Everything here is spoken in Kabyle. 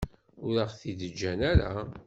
Ur aɣ-t-id-ǧǧan ara.